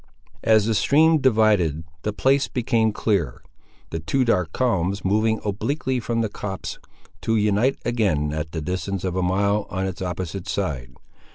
As the stream divided, the place became clear; the two dark columns moving obliquely from the copse, to unite again at the distance of a mile, on its opposite side.